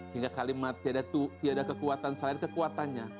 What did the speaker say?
hingga kalimat tiada kekuatan selain kekuatannya